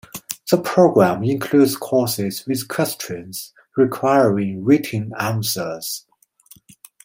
The program includes courses with questions requiring written answers.